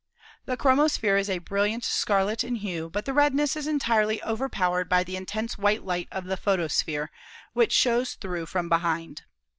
The chromosphere is a brilliant scarlet in hue, but the redness is entirely overpowered by the intense white light of the photosphere, which shows through from behind.